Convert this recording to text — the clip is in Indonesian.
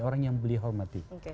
orang yang beli hormati